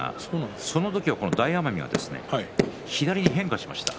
その時は大奄美が左に変化しました。